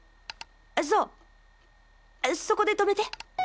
そうそこで止めて！